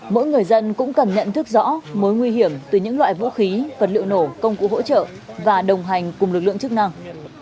mỗi người dân cũng cần nhận thức rõ mối nguy hiểm từ những loại vũ khí vật liệu nổ công cụ hỗ trợ và đồng hành cùng lực lượng chức năng